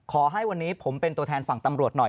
ขอให้วันนี้ผมเป็นตัวแทนฝั่งตำรวจหน่อย